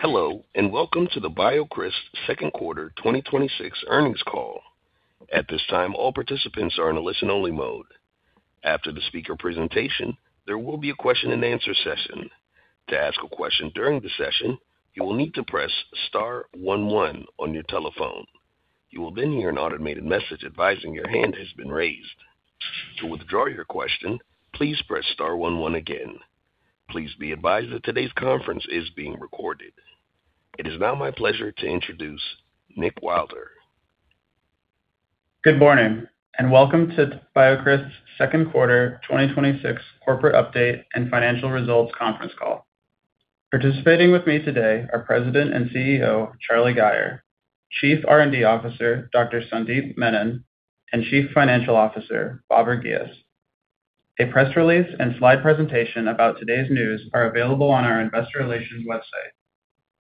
Hello, welcome to the BioCryst second quarter 2026 earnings call. At this time, all participants are in a listen-only mode. After the speaker presentation, there will be a question-and-answer session. To ask a question during the session, you will need to press star one one on your telephone. You will then hear an automated message advising your hand has been raised. To withdraw your question, please press star one one again. Please be advised that today's conference is being recorded. It is now my pleasure to introduce Nick Wilder. Good morning, welcome to BioCryst's second quarter 2026 corporate update and financial results conference call. Participating with me today are President and CEO, Charlie Gayer, Chief R&D Officer, Dr. Sandeep Menon, and Chief Financial Officer, Babar Ghias. A press release and slide presentation about today's news are available on our investor relations website.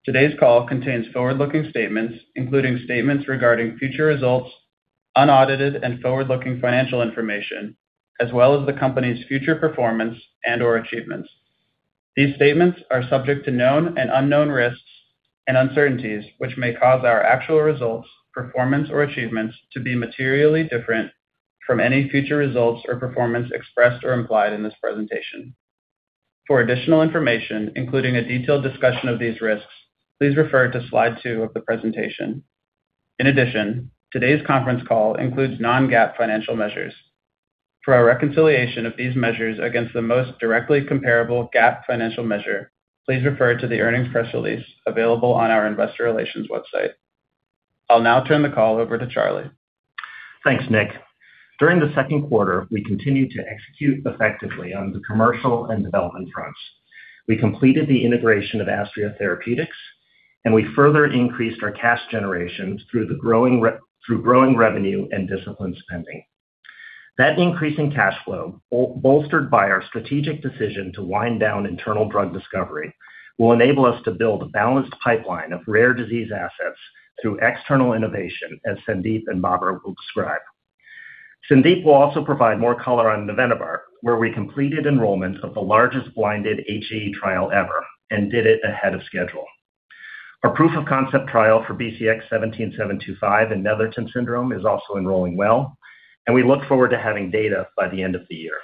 Today's call contains forward-looking statements, including statements regarding future results, unaudited and forward-looking financial information, as well as the company's future performance and/or achievements. These statements are subject to known and unknown risks and uncertainties, which may cause our actual results, performance, or achievements to be materially different from any future results or performance expressed or implied in this presentation. For additional information, including a detailed discussion of these risks, please refer to slide two of the presentation. In addition, today's conference call includes non-GAAP financial measures. For a reconciliation of these measures against the most directly comparable GAAP financial measure, please refer to the earnings press release available on our investor relations website. I'll now turn the call over to Charlie Gayer. Thanks, Nick Wilder. During the second quarter, we continued to execute effectively on the commercial and development fronts. We completed the integration of Astria Therapeutics, we further increased our cash generations through growing revenue and disciplined spending. That increase in cash flow, bolstered by our strategic decision to wind down internal drug discovery, will enable us to build a balanced pipeline of rare disease assets through external innovation, as Sandeep Menon and Babar Ghias will describe. Sandeep Menon will also provide more color on navenibart, where we completed enrollment of the largest blinded HAE trial ever and did it ahead of schedule. Our proof of concept trial for BCX17725 in Netherton syndrome is also enrolling well, we look forward to having data by the end of the year.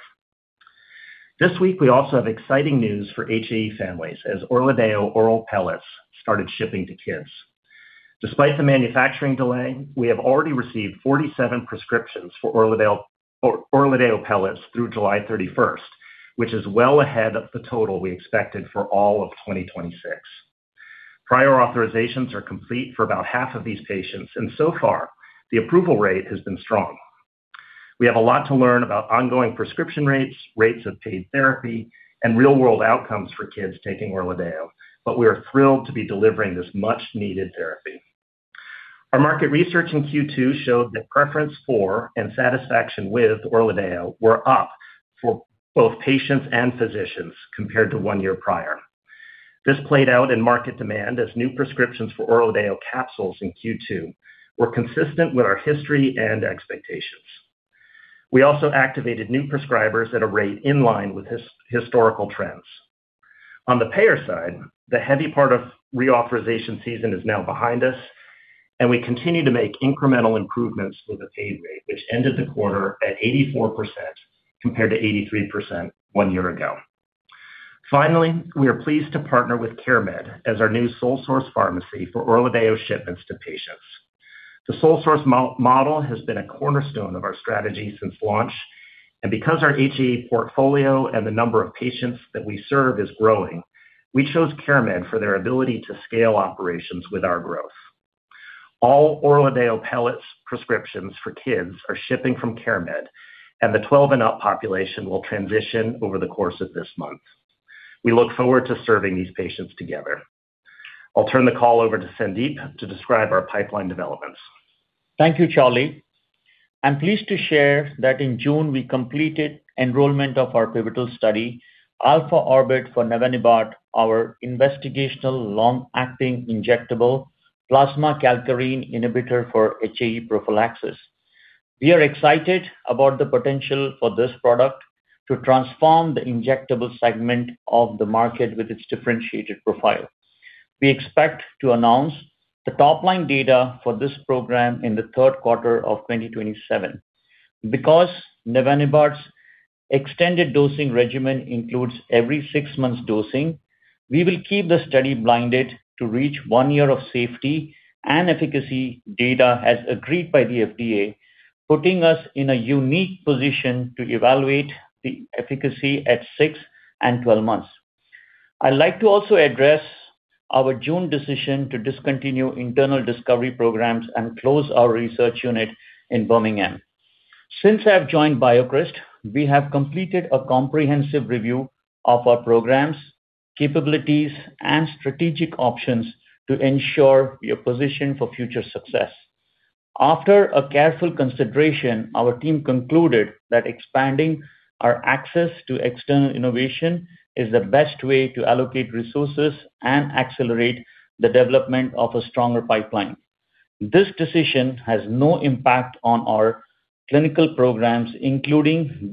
This week, we also have exciting news for HAE families as ORLADEYO oral pellets started shipping to kids. Despite the manufacturing delay, we have already received 47 prescriptions for ORLADEYO pellets through July 31st, which is well ahead of the total we expected for all of 2026. Prior authorizations are complete for about half of these patients. So far, the approval rate has been strong. We have a lot to learn about ongoing prescription rates of paid therapy, and real-world outcomes for kids taking ORLADEYO. We are thrilled to be delivering this much-needed therapy. Our market research in Q2 showed that preference for and satisfaction with ORLADEYO were up for both patients and physicians compared to one year prior. This played out in market demand as new prescriptions for ORLADEYO capsules in Q2 were consistent with our history and expectations. We also activated new prescribers at a rate in line with historical trends. On the payer side, the heavy part of reauthorization season is now behind us. We continue to make incremental improvements to the paid rate, which ended the quarter at 84%, compared to 83% one year ago. Finally, we are pleased to partner with CareMed as our new sole source pharmacy for ORLADEYO shipments to patients. The sole source model has been a cornerstone of our strategy since launch. Because our HAE portfolio and the number of patients that we serve is growing, we chose CareMed for their ability to scale operations with our growth. All ORLADEYO pellets prescriptions for kids are shipping from CareMed, and the 12 and up population will transition over the course of this month. We look forward to serving these patients together. I'll turn the call over to Sandeep Menon to describe our pipeline developments. Thank you, Charlie Gayer. I'm pleased to share that in June, we completed enrollment of our pivotal study, ALPHA-ORBIT for navenibart, our investigational long-acting injectable plasma kallikrein inhibitor for HAE prophylaxis. We are excited about the potential for this product to transform the injectable segment of the market with its differentiated profile. We expect to announce the top-line data for this program in the third quarter of 2027. Because navenibart's extended dosing regimen includes every six months dosing, we will keep the study blinded to reach one year of safety and efficacy data as agreed by the FDA, putting us in a unique position to evaluate the efficacy at six and 12 months. I'd like to also address our June decision to discontinue internal discovery programs and close our research unit in Birmingham. Since I've joined BioCryst, we have completed a comprehensive review of our programs, capabilities, and strategic options to ensure we are positioned for future success. After a careful consideration, our team concluded that expanding our access to external innovation is the best way to allocate resources and accelerate the development of a stronger pipeline. This decision has no impact on our clinical programs, including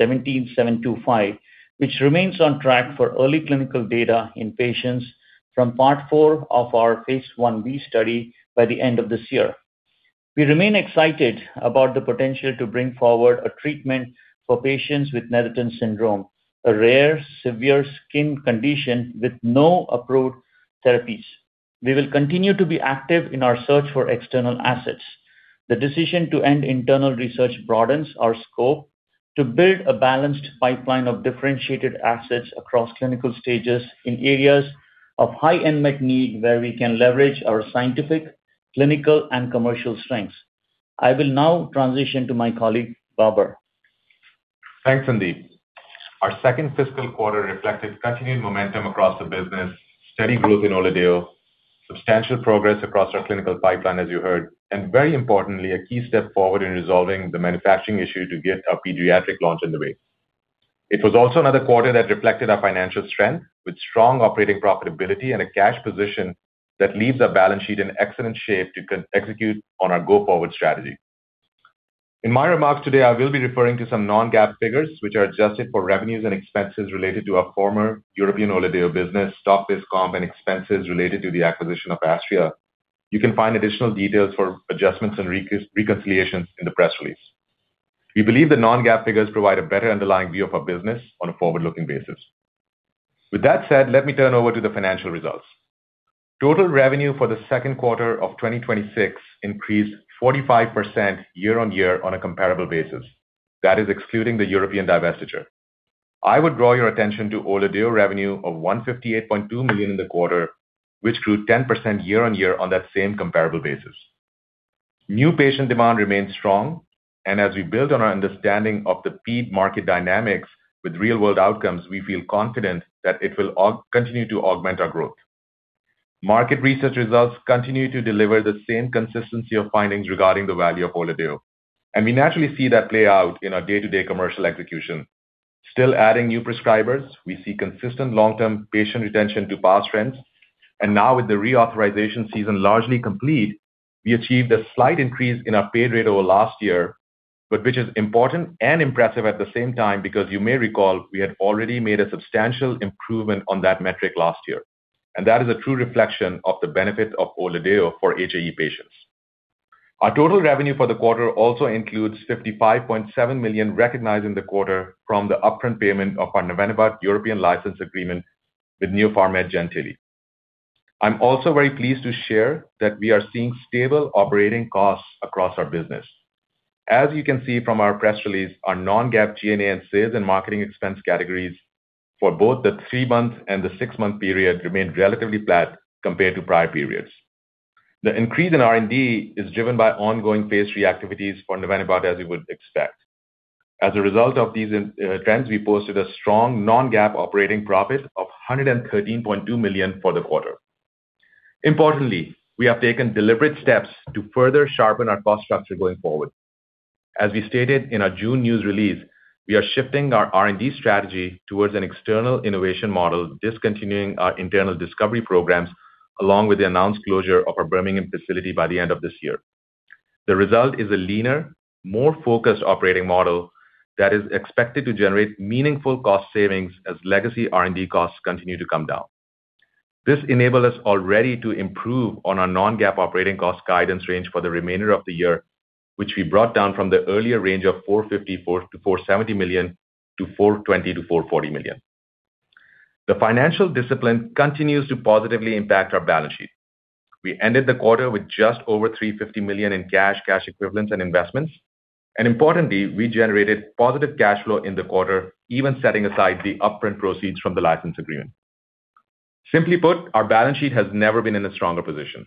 BCX17725, which remains on track for early clinical data in patients from part IV of our phase Ib study by the end of this year. We remain excited about the potential to bring forward a treatment for patients with Netherton syndrome, a rare, severe skin condition with no approved therapies. We will continue to be active in our search for external assets. The decision to end internal research broadens our scope to build a balanced pipeline of differentiated assets across clinical stages in areas of high unmet need where we can leverage our scientific, clinical, and commercial strengths. I will now transition to my colleague, Babar Ghias. Thanks, Sandeep Menon. Our second fiscal quarter reflected continued momentum across the business, steady growth in ORLADEYO, substantial progress across our clinical pipeline, as you heard, and very importantly, a key step forward in resolving the manufacturing issue to get our pediatric launch underway. It was also another quarter that reflected our financial strength, with strong operating profitability and a cash position that leaves our balance sheet in excellent shape to execute on our go-forward strategy. In my remarks today, I will be referring to some non-GAAP figures, which are adjusted for revenues and expenses related to our former European ORLADEYO business, stock-based comp and expenses related to the acquisition of Astria. You can find additional details for adjustments and reconciliations in the press release. We believe the non-GAAP figures provide a better underlying view of our business on a forward-looking basis. With that said, let me turn over to the financial results. Total revenue for the second quarter of 2026 increased 45% year-on-year on a comparable basis. That is excluding the European divestiture. I would draw your attention to ORLADEYO revenue of $158.2 million in the quarter, which grew 10% year-on-year on that same comparable basis. New patient demand remains strong, and as we build on our understanding of the ped-market dynamics with real-world outcomes, we feel confident that it will continue to augment our growth. Market research results continue to deliver the same consistency of findings regarding the value of ORLADEYO, and we naturally see that play out in our day-to-day commercial execution. Still adding new prescribers, we see consistent long-term patient retention to past trends. Now with the reauthorization season largely complete, we achieved a slight increase in our paid rate over last year, which is important and impressive at the same time because you may recall we had already made a substantial improvement on that metric last year. That is a true reflection of the benefit of ORLADEYO for HAE patients. Our total revenue for the quarter also includes $55.7 million recognized in the quarter from the upfront payment of our navenibart European license agreement with Neopharmed Gentili. I'm also very pleased to share that we are seeing stable operating costs across our business. As you can see from our press release, our non-GAAP G&A and sales and marketing expense categories for both the three-month and the six-month period remained relatively flat compared to prior periods. The increase in R&D is driven by ongoing phase III activities for navenibart, as you would expect. As a result of these trends, we posted a strong non-GAAP operating profit of $113.2 million for the quarter. Importantly, we have taken deliberate steps to further sharpen our cost structure going forward. As we stated in our June news release, we are shifting our R&D strategy towards an external innovation model, discontinuing our internal discovery programs, along with the announced closure of our Birmingham facility by the end of this year. The result is a leaner, more focused operating model that is expected to generate meaningful cost savings as legacy R&D costs continue to come down. This enabled us already to improve on our non-GAAP operating cost guidance range for the remainder of the year, which we brought down from the earlier range of $454 million-$470 million to $420 million-$440 million. The financial discipline continues to positively impact our balance sheet. We ended the quarter with just over $350 million in cash equivalents, and investments. Importantly, we generated positive cash flow in the quarter, even setting aside the upfront proceeds from the license agreement. Simply put, our balance sheet has never been in a stronger position.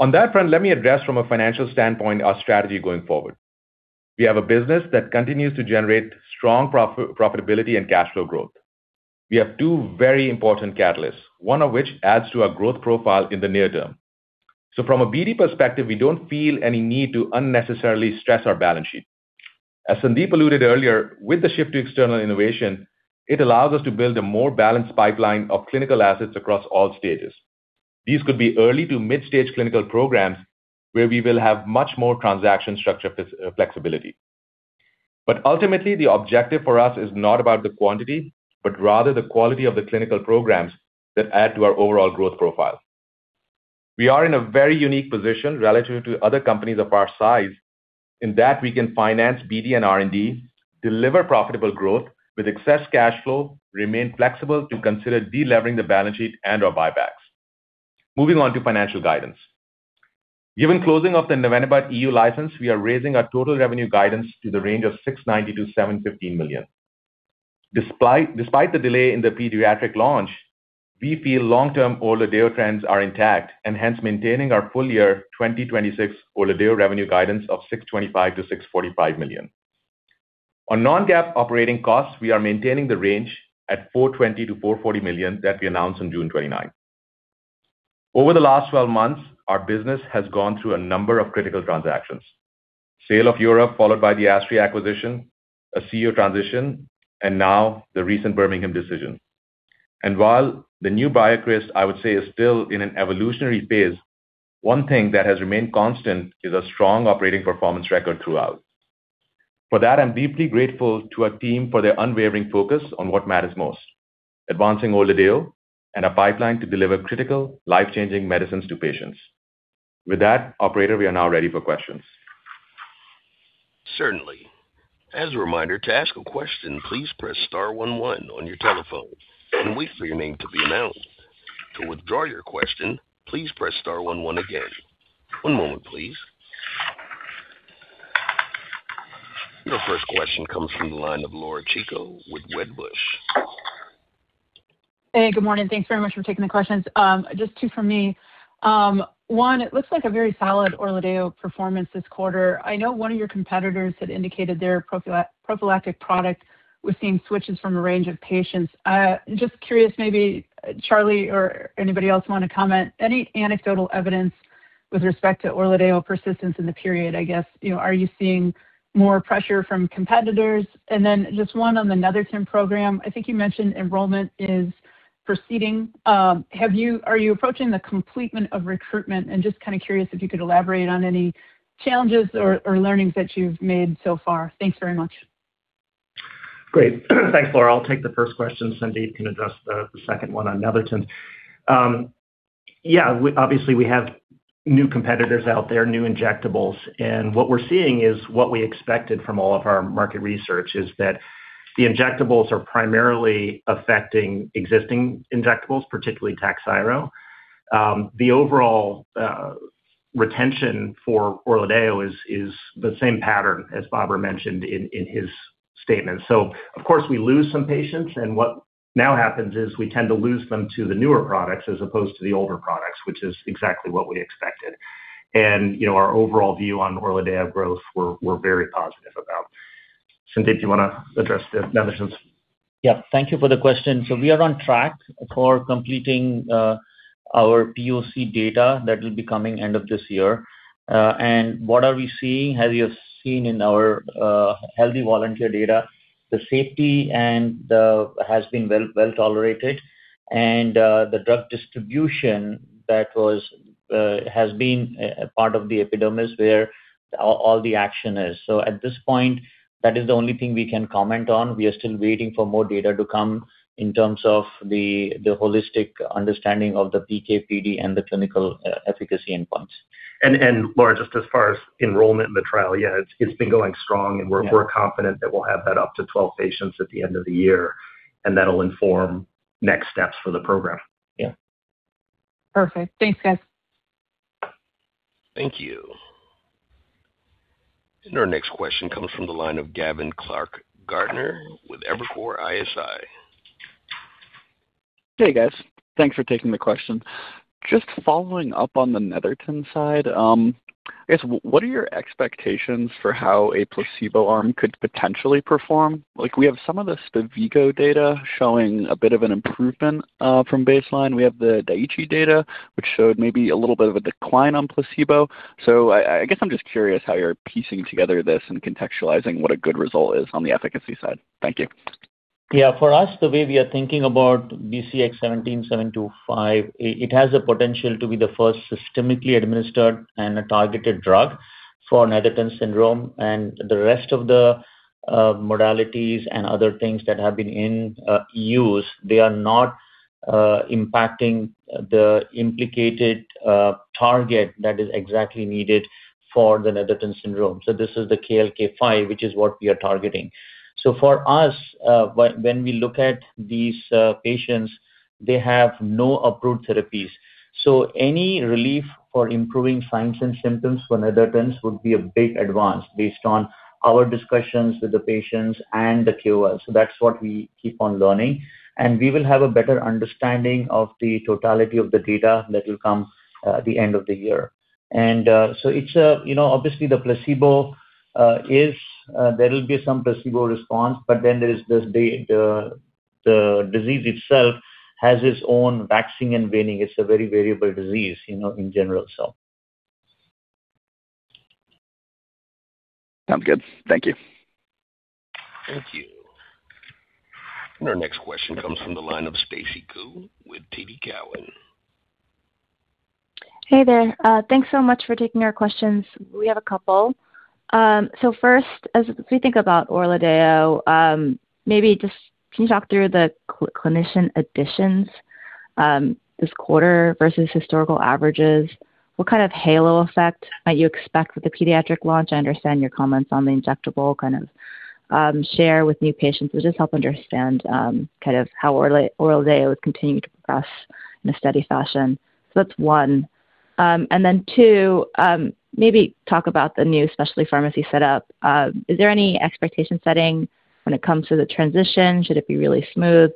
On that front, let me address from a financial standpoint our strategy going forward. We have a business that continues to generate strong profitability and cash flow growth. We have two very important catalysts, one of which adds to our growth profile in the near term. From a BD perspective, we don't feel any need to unnecessarily stress our balance sheet. As Sandeep Menon alluded earlier, with the shift to external innovation, it allows us to build a more balanced pipeline of clinical assets across all stages. These could be early to mid-stage clinical programs where we will have much more transaction structure flexibility. Ultimately, the objective for us is not about the quantity, but rather the quality of the clinical programs that add to our overall growth profile. We are in a very unique position relative to other companies of our size in that we can finance BD and R&D, deliver profitable growth with excess cash flow, remain flexible to consider de-levering the balance sheet and/or buybacks. Moving on to financial guidance. Given closing of the navenibart EU license, we are raising our total revenue guidance to the range of $690 million-$715 million. Despite the delay in the pediatric launch, we feel long-term ORLADEYO trends are intact, and hence maintaining our full-year 2026 ORLADEYO revenue guidance of $625 million-$645 million. On non-GAAP operating costs, we are maintaining the range at $420 million-$440 million that we announced on June 29th. Over the last 12 months, our business has gone through a number of critical transactions. Sale of Europe, followed by the Astria acquisition, a CEO transition, and now the recent Birmingham decision. While the new BioCryst, I would say, is still in an evolutionary phase, one thing that has remained constant is a strong operating performance record throughout. For that, I am deeply grateful to our team for their unwavering focus on what matters most, advancing ORLADEYO and our pipeline to deliver critical life-changing medicines to patients. With that, operator, we are now ready for questions. Certainly. As a reminder, to ask a question, please press star one one on your telephone and wait for your name to be announced. To withdraw your question, please press star one one again. One moment, please. Your first question comes from the line of Laura Chico with Wedbush. Hey, good morning. Thanks very much for taking the questions. Just two from me. One, it looks like a very solid ORLADEYO performance this quarter. I know one of your competitors had indicated their prophylactic product was seeing switches from a range of patients. Just curious maybe, Charlie Gayer or anybody else want to comment, any anecdotal evidence with respect to ORLADEYO persistence in the period, I guess? Are you seeing more pressure from competitors? Then just one on the Netherton program. I think you mentioned enrollment is proceeding. Are you approaching the completement of recruitment? Just kind of curious if you could elaborate on any challenges or learnings that you've made so far? Thanks very much. Great. Thanks, Laura Chico. I will take the first question. Sandeep Menon can address the second one on Netherton. Obviously, we have new competitors out there, new injectables, and what we are seeing is what we expected from all of our market research is that the injectables are primarily affecting existing injectables, particularly TAKHZYRO. The overall retention for ORLADEYO is the same pattern as Babar Ghias mentioned in his statement. Of course, we lose some patients, and what now happens is we tend to lose them to the newer products as opposed to the older products, which is exactly what we expected. Our overall view on ORLADEYO growth, we are very positive about. Sandeep Menon, do you want to address the Nethertons? Thank you for the question. We are on track for completing our POC data that will be coming end of this year. What are we seeing? As you have seen in our healthy volunteer data, the safety has been well tolerated, and the drug distribution has been a part of the epidermis where all the action is. At this point, that is the only thing we can comment on. We are still waiting for more data to come in terms of the holistic understanding of the PK/PD and the clinical efficacy endpoints. Laura Chico, just as far as enrollment in the trial, it's been going strong and we're confident that we'll have that up to 12 patients at the end of the year, and that'll inform next steps for the program. Yeah. Perfect. Thanks, guys. Thank you. Our next question comes from the line of Gavin Clark-Gartner with Evercore ISI. Hey, guys. Thanks for taking the question. Just following up on the Netherton side. I guess, what are your expectations for how a placebo arm could potentially perform? We have some of the SPEVIGO data showing a bit of an improvement from baseline. We have the Daiichi data, which showed maybe a little bit of a decline on placebo. I guess I'm just curious how you're piecing together this and contextualizing what a good result is on the efficacy side. Thank you. Yeah, for us, the way we are thinking about BCX17725, it has the potential to be the first systemically administered and a targeted drug for Netherton syndrome. The rest of the modalities and other things that have been in use, they are not impacting the implicated target that is exactly needed for the Netherton syndrome. This is the KLK5, which is what we are targeting. For us, when we look at these patients, they have no approved therapies. Any relief for improving signs and symptoms for Nethertons would be a big advance based on our discussions with the patients and the KOLs. That's what we keep on learning, and we will have a better understanding of the totality of the data that will come at the end of the year. Obviously, there will be some placebo response. There is the disease itself has its own waxing and waning. It's a very variable disease in general. Sounds good. Thank you. Thank you. Our next question comes from the line of Stacy Ku with TD Cowen. Hey there. Thanks so much for taking our questions. We have a couple. First, as we think about ORLADEYO, maybe just can you talk through the clinician additions this quarter versus historical averages? What kind of halo effect might you expect with the pediatric launch? I understand your comments on the injectable kind of share with new patients. Just help understand kind of how ORLADEYO has continued to progress in a steady fashion. That's one. Two, maybe talk about the new specialty pharmacy set up. Is there any expectation setting when it comes to the transition? Should it be really smooth?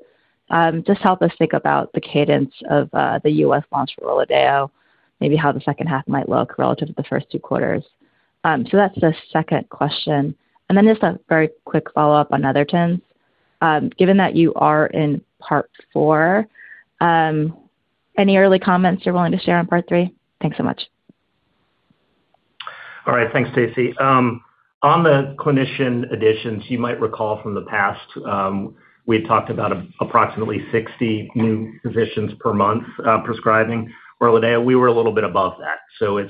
Just help us think about the cadence of the U.S. launch for ORLADEYO, maybe how the second half might look relative to the first two quarters. That's the second question. Just a very quick follow-up on Netherton. Given that you are in part four, any early comments you're willing to share on part three? Thanks so much. All right. Thanks, Stacy Ku. On the clinician additions, you might recall from the past, we had talked about approximately 60 new physicians per month prescribing ORLADEYO. We were a little bit above that.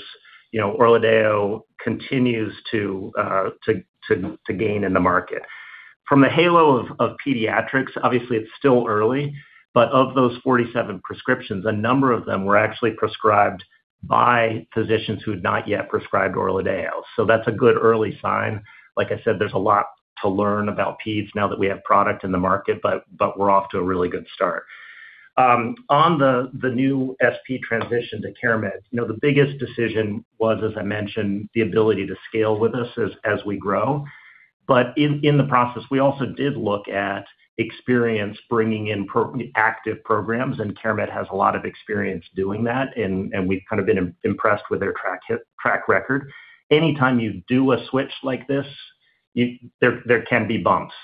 ORLADEYO continues to gain in the market. From the halo of pediatrics, obviously it's still early, but of those 47 prescriptions, a number of them were actually prescribed by physicians who had not yet prescribed ORLADEYO. That's a good early sign. Like I said, there's a lot to learn about pediatrics now that we have product in the market, but we're off to a really good start. On the new SP transition to CareMed, the biggest decision was, as I mentioned, the ability to scale with us as we grow. In the process, we also did look at experience bringing in active programs, and CareMed has a lot of experience doing that, and we've kind of been impressed with their track record. Anytime you do a switch like this, there can be bumps.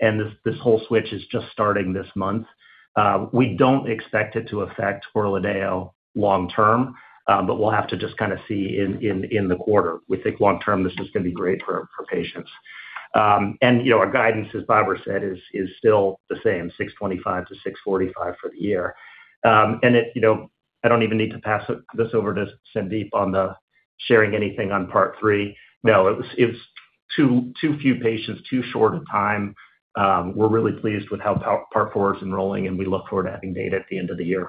This whole switch is just starting this month. We don't expect it to affect ORLADEYO long term, but we'll have to just kind of see in the quarter. We think long term, this is going to be great for patients. Our guidance, as Babar said, is still the same, $625 million-$645 million for the year. I don't even need to pass this over to Sandeep Menon on the sharing anything on Part Three. No, it was too few patients, too short a time. We're really pleased with how Part Four is enrolling, and we look forward to having data at the end of the year.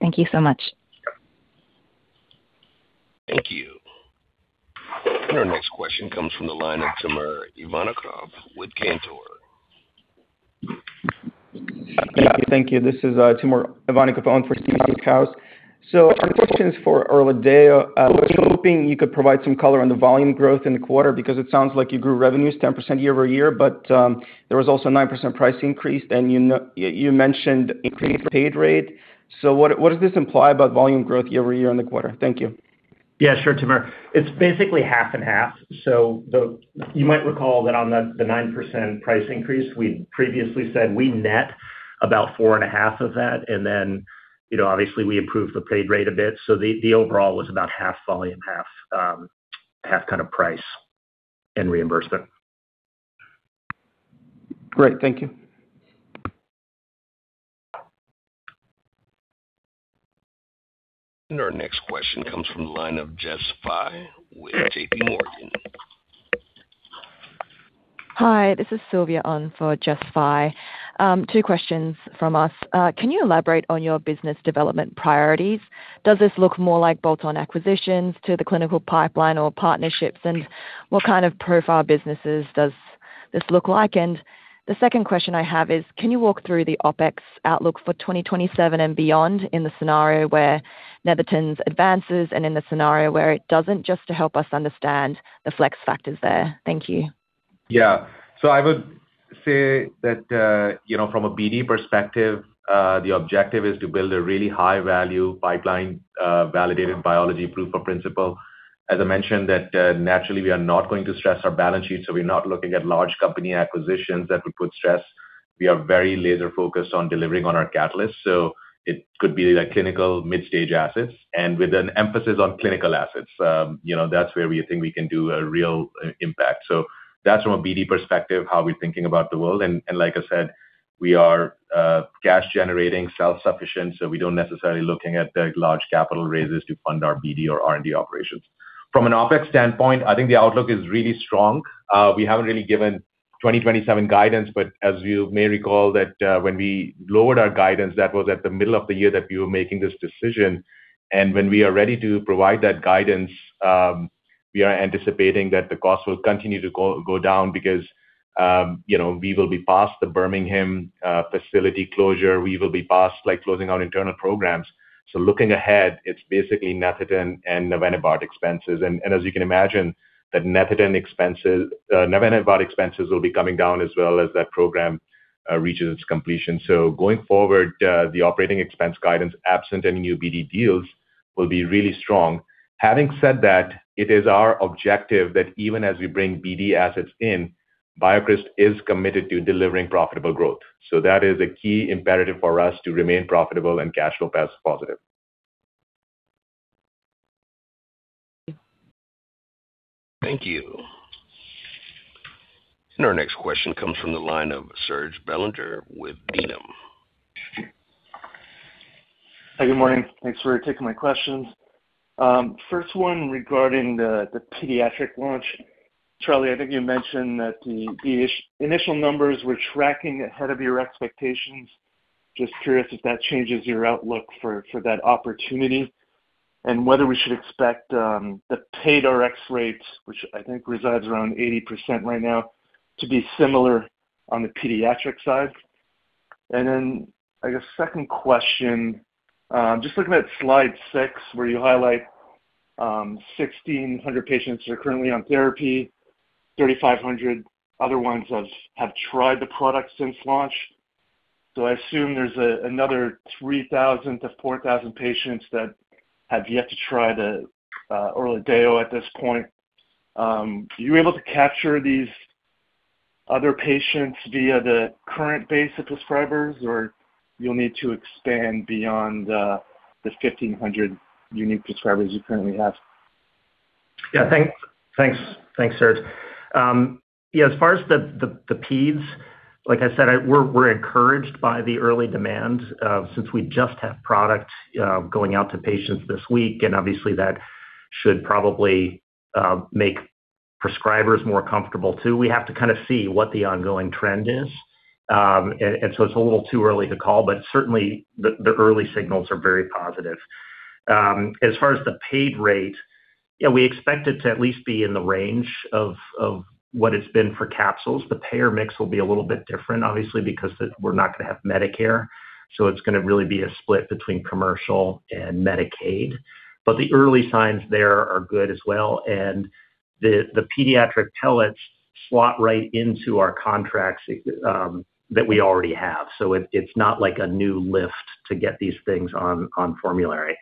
Thank you so much. Thank you. Our next question comes from the line of Timur Ivanov with Cantor. Thank you. This is Timur Ivanov on for Steven Seedhouse. Our question is for ORLADEYO. I was hoping you could provide some color on the volume growth in the quarter, because it sounds like you grew revenues 10% year-over-year, but there was also a 9% price increase. You mentioned increasing paid rate. What does this imply about volume growth year-over-year on the quarter? Thank you. Yeah, sure, Timur Ivanov. It's basically half and half. You might recall that on the 9% price increase, we previously said we net about four and a half of that, obviously we improved the paid rate a bit. The overall was about half volume, half kind of price and reimbursement. Great. Thank you. Our next question comes from the line of Jess Fye with JPMorgan. Hi, this is Sylvia on for Jess Fye. 2 questions from us. Can you elaborate on your business development priorities? Does this look more like bolt-on acquisitions to the clinical pipeline or partnerships, and what kind of profile businesses does this look like? The second question I have is, can you walk through the OpEx outlook for 2027 and beyond in the scenario where Netherton advances and in the scenario where it doesn't, just to help us understand the flex factors there? Thank you. Yeah. I would say that, from a BD perspective, the objective is to build a really high-value pipeline, validated biology proof of principle. As I mentioned that naturally we are not going to stress our balance sheet, so we're not looking at large company acquisitions that would put stress. We are very laser-focused on delivering on our catalyst. It could be like clinical mid-stage assets and with an emphasis on clinical assets. That's where we think we can do a real impact. That's from a BD perspective, how we're thinking about the world. Like I said, we are cash-generating, self-sufficient, so we don't necessarily looking at the large capital raises to fund our BD or R&D operations. From an OpEx standpoint, I think the outlook is really strong. We haven't really given 2027 guidance, but as you may recall that when we lowered our guidance, that was at the middle of the year that we were making this decision. When we are ready to provide that guidance, we are anticipating that the cost will continue to go down because we will be past the Birmingham facility closure. We will be past closing our internal programs. Looking ahead, it's basically Netherton and navenibart expenses. As you can imagine, the navenibart expenses will be coming down as well as that program reaches its completion. Going forward, the operating expense guidance, absent any new BD deals, will be really strong. Having said that, it is our objective that even as we bring BD assets in, BioCryst is committed to delivering profitable growth. That is a key imperative for us to remain profitable and cash flow positive. Thank you. Our next question comes from the line of Serge Belanger with B. Riley. Hi, good morning. Thanks for taking my questions. First one regarding the pediatric launch. Charlie Gayer, I think you mentioned that the initial numbers were tracking ahead of your expectations. Just curious if that changes your outlook for that opportunity, and whether we should expect the paid Rx rates, which I think resides around 80% right now, to be similar on the pediatric side. I guess second question, just looking at slide six, where you highlight 1,600 patients are currently on therapy, 3,500 other ones have tried the product since launch. I assume there's another 3,000-4,000 patients that have yet to try the ORLADEYO at this point. You were able to capture these other patients via the current base of prescribers, you'll need to expand beyond the 1,500 unique prescribers you currently have? Yeah. Thanks, Serge Belanger. As far as the pediatrics, like I said, we're encouraged by the early demand since we just have product going out to patients this week and obviously that should probably make prescribers more comfortable too. We have to kind of see what the ongoing trend is. It's a little too early to call, but certainly the early signals are very positive. As far as the paid rate, we expect it to at least be in the range of what it's been for capsules. The payer mix will be a little bit different, obviously, because we're not going to have Medicare, it's going to really be a split between commercial and Medicaid. The early signs there are good as well, and the pediatric pellets slot right into our contracts that we already have. It's not like a new lift to get these things on formulary.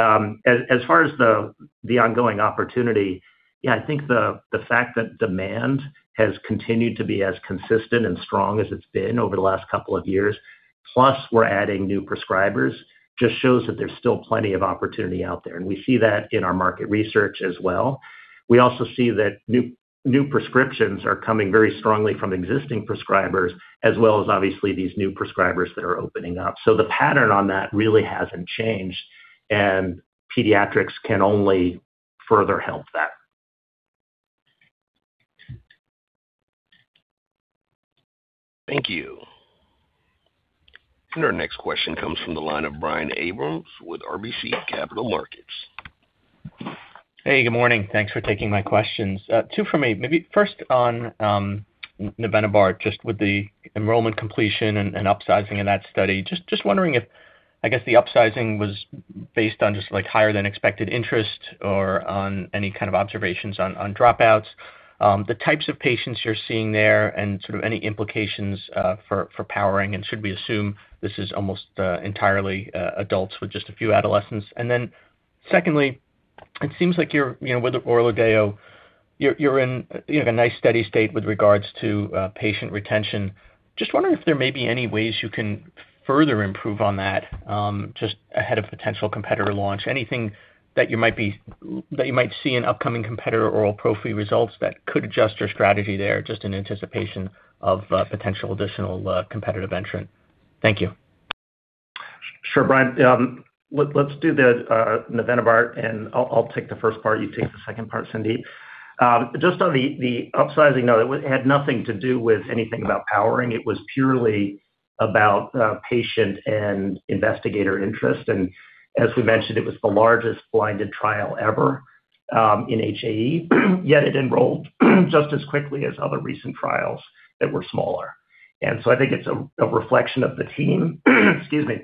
As far as the ongoing opportunity, I think the fact that demand has continued to be as consistent and strong as it's been over the last couple of years, plus we're adding new prescribers, just shows that there's still plenty of opportunity out there, and we see that in our market research as well. We also see that new prescriptions are coming very strongly from existing prescribers as well as obviously these new prescribers that are opening up. The pattern on that really hasn't changed and pediatrics can only further help that. Thank you. Our next question comes from the line of Brian Abrahams with RBC Capital Markets. Hey, good morning. Thanks for taking my questions. Two from me. Maybe first on navenibart, just with the enrollment completion and upsizing in that study. Just wondering if, I guess the upsizing was based on just higher than expected interest or on any kind of observations on dropouts? The types of patients you're seeing there and sort of any implications for powering and should we assume this is almost entirely adults with just a few adolescents? Secondly, it seems like with ORLADEYO, you're in a nice steady state with regards to patient retention. Just wondering if there may be any ways you can further improve on that just ahead of potential competitor launch. Anything that you might see in upcoming competitor oral prophy results that could adjust your strategy there, just in anticipation of potential additional competitive entrant? Thank you. Sure, Brian Abrahams. Let's do the navenibart and I'll take the first part, you take the second part, Sandeep Menon. Just on the upsizing note, it had nothing to do with anything about powering. It was purely about patient and investigator interest. As we mentioned, it was the largest blinded trial ever in HAE, yet it enrolled just as quickly as other recent trials that were smaller. So I think it's a reflection of the team, excuse me,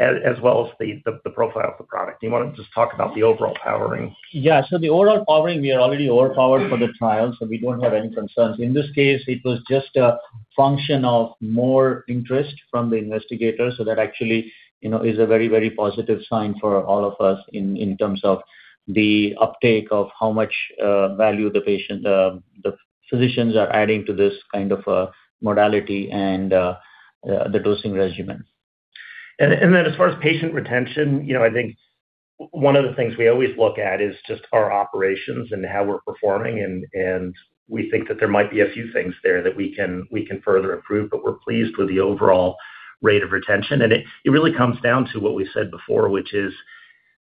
as well as the profile of the product. Do you want to just talk about the overall powering? Yeah. The overall powering, we are already overpowered for the trial, so we don't have any concerns. In this case, it was just a function of more interest from the investigators. That actually is a very, very positive sign for all of us in terms of the uptake of how much value the physicians are adding to this kind of modality and the dosing regimen. As far as patient retention, I think one of the things we always look at is just our operations and how we're performing, and we think that there might be a few things there that we can further improve, but we're pleased with the overall rate of retention. It really comes down to what we said before, which is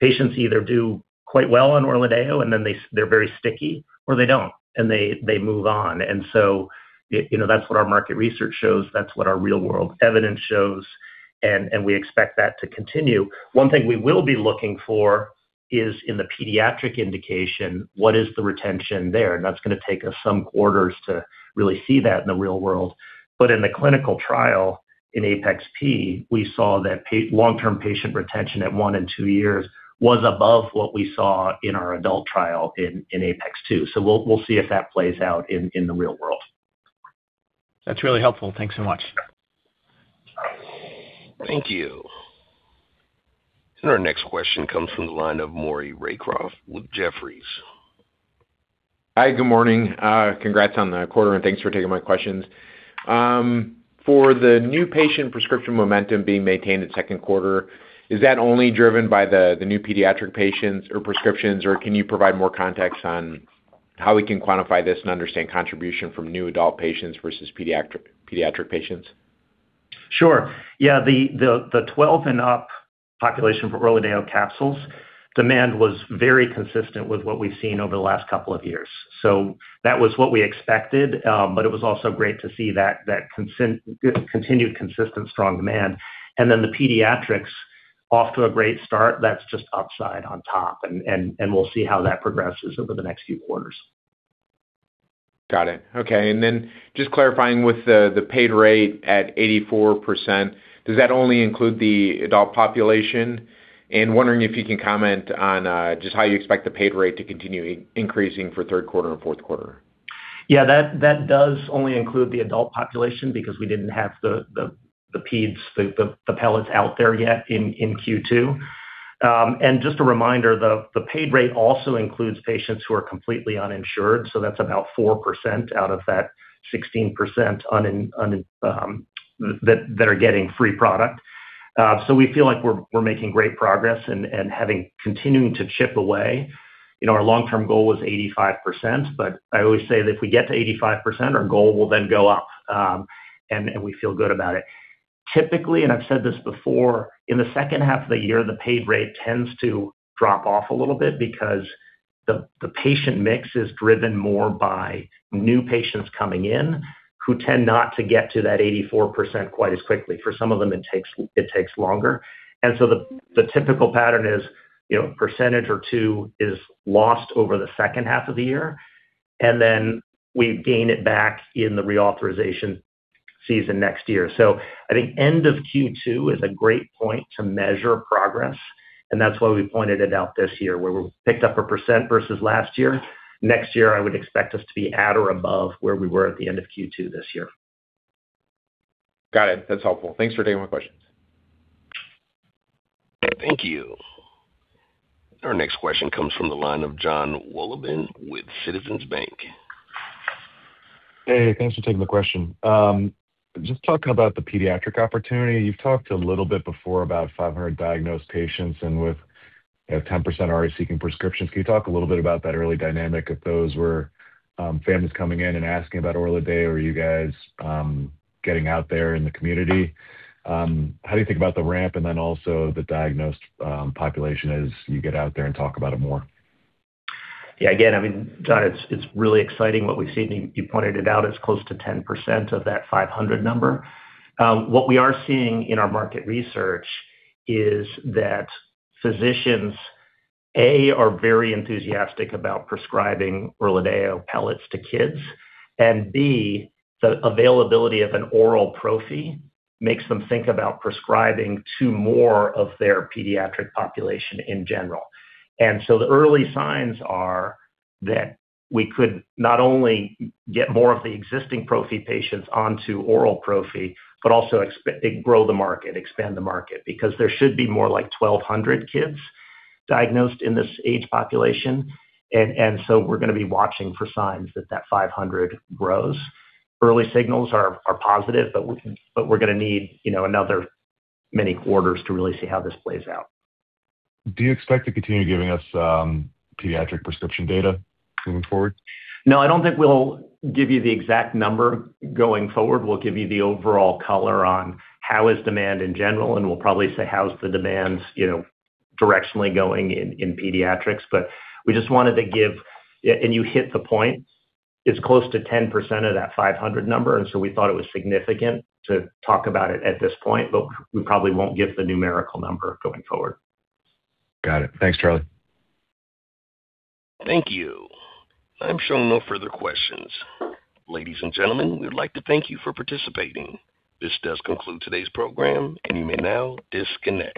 patients either do quite well on ORLADEYO and then they're very sticky or they don't and they move on. That's what our market research shows, that's what our real-world evidence shows, and we expect that to continue. One thing we will be looking for is in the pediatric indication, what is the retention there? That's going to take us some quarters to really see that in the real world. In the clinical trial in APEX-P, we saw that long-term patient retention at one and two years was above what we saw in our adult trial in APEX-2. We'll see if that plays out in the real world. That's really helpful. Thanks so much. Thank you. Our next question comes from the line of Maury Raycroft with Jefferies. Hi, good morning. Congrats on the quarter and thanks for taking my questions. For the new patient prescription momentum being maintained at second quarter, is that only driven by the new pediatric patients or prescriptions, or can you provide more context on how we can quantify this and understand contribution from new adult patients versus pediatric patients? Sure. Yeah, the 12 and up population for ORLADEYO capsules demand was very consistent with what we've seen over the last couple of years. That was what we expected, but it was also great to see that continued consistent strong demand. The pediatrics off to a great start, that's just upside on top, and we'll see how that progresses over the next few quarters. Got it. Okay. Just clarifying with the paid rate at 84%, does that only include the adult population? Wondering if you can comment on just how you expect the paid rate to continue increasing for third quarter and fourth quarter. Yeah, that does only include the adult population because we didn't have the pediatrics, the pellets out there yet in Q2. Just a reminder, the paid rate also includes patients who are completely uninsured, that's about 4% out of that 16% that are getting free product. We feel like we're making great progress and having continuing to chip away. Our long-term goal was 85%, I always say that if we get to 85%, our goal will then go up, and we feel good about it. Typically, I've said this before, in the second half of the year, the paid rate tends to drop off a little bit because the patient mix is driven more by new patients coming in who tend not to get to that 84% quite as quickly. For some of them, it takes longer. The typical pattern is 1% or 2% is lost over the second half of the year, then we gain it back in the reauthorization season next year. I think end of Q2 is a great point to measure progress, and that's why we pointed it out this year, where we picked up 1% versus last year. Next year, I would expect us to be at or above where we were at the end of Q2 this year. Got it. That's helpful. Thanks for taking my questions. Thank you. Our next question comes from the line of Jonathan Wolleben with Citizens JMP. Hey, thanks for taking the question. Just talking about the pediatric opportunity, you've talked a little bit before about 500 diagnosed patients and with 10% already seeking prescriptions. Can you talk a little bit about that early dynamic of those where families coming in and asking about ORLADEYO, or are you guys getting out there in the community? How do you think about the ramp and then also the diagnosed population as you get out there and talk about it more? Yeah, again, Jonathan Wolleben, it's really exciting what we've seen. You pointed it out, it's close to 10% of that 500 number. What we are seeing in our market research is that physicians, A, are very enthusiastic about prescribing ORLADEYO pellets to kids, and B, the availability of an oral Prophy makes them think about prescribing to more of their pediatric population in general. The early signs are that we could not only get more of the existing Prophy patients onto oral Prophy, but also grow the market, expand the market. There should be more like 1,200 kids diagnosed in this age population. We're going to be watching for signs that that 500 grows. Early signals are positive, but we're going to need another many quarters to really see how this plays out. Do you expect to continue giving us pediatric prescription data moving forward? No, I don't think we'll give you the exact number going forward. We'll give you the overall color on how is demand in general, and we'll probably say how's the demands directionally going in pediatrics. You hit the point, it's close to 10% of that 500 number. We thought it was significant to talk about it at this point, but we probably won't give the numerical number going forward. Got it. Thanks, Charlie Gayer. Thank you. I'm showing no further questions. Ladies and gentlemen, we would like to thank you for participating. This does conclude today's program, and you may now disconnect.